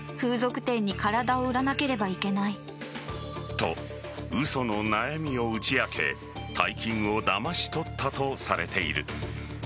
と、嘘の悩みを打ち明け大金をだまし取ったとされている。